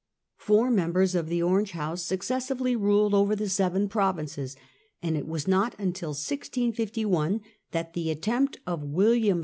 Four members of the Orange house suces sively ruled over the Seven Provinces, and it was not until 1651 that the attempt of William II.